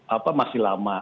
apa masih lama